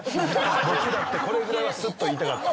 僕だってこのぐらいはスッと言いたかった。